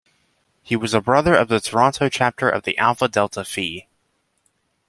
He was a Brother of the Toronto Chapter of the Alpha Delta Phi.